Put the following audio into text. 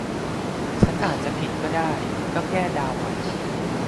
ฉันอาจจะผิดก็ได้ ก็แค่เดาอ่ะ